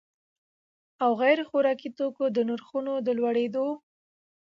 او غیر خوراکي توکو د نرخونو د لوړېدو